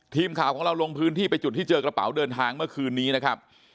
ทีมข่าวของเราลงพื้นที่ไปจุดที่เจอกระเป๋าเดินทางเมื่อคืนนี้นะครับ